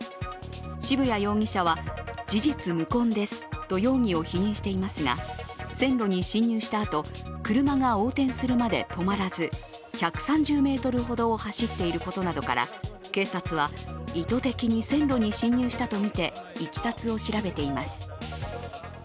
渋谷容疑者は事実無根ですと容疑を否認していますが、線路に侵入したあと車が横転するまで止まらず１３０ｍほどを走っていることなどから、警察は意図的に線路に侵入したとみていきさつを調べています。